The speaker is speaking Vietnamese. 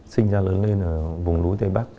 sinh ra lớn lên ở vùng núi tây bắc